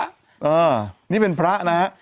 เออนี่เป็นพระนะฮะ